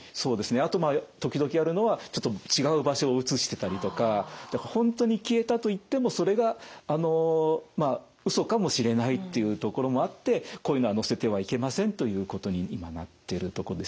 あと時々あるのは本当に消えたといってもそれがうそかもしれないというところもあってこういうのは載せてはいけませんということに今なってるとこです。